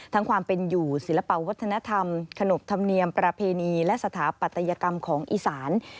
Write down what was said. ความเป็นอยู่ศิลปะวัฒนธรรมขนบธรรมเนียมประเพณีและสถาปัตยกรรมของอีสาน